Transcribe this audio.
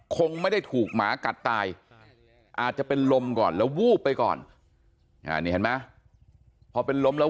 คงไม่ได้ถูกหมากัดตายอาจจะเป็นลมก่อนแล้ววูบไปก่อนนี่เห็นไหมพอเป็นลมแล้ว